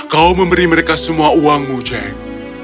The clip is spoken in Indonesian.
kau memberi mereka semua uangmu jack